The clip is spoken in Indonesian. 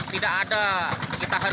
tidak ada yang dipergunakan